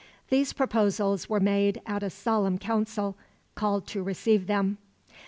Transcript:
These proposals were made at a solemn council, called to receive them.